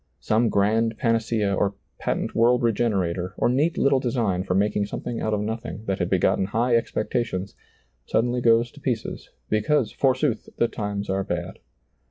Some grand panacea or patent world regenerator, or neat little design for making something out of nothing that had begotten high expectations, suddenly goes to pieces, because forsooth the times are bad.